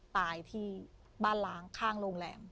ตายที่บ้านล้างข้างโรงแรม